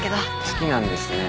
好きなんですね。